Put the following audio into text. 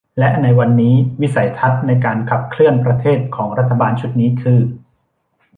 และในวันนี้วิสัยทัศน์ในการขับเคลื่อนประเทศของรัฐบาลชุดนี้คือ